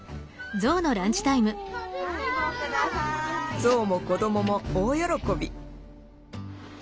ゾウも子どもも大喜び。